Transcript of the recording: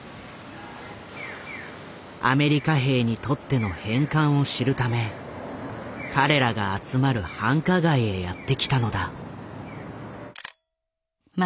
アメリカ兵にとっての返還を知るため彼らが集まる繁華街へやって来たのだ。